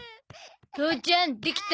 父ちゃんできた？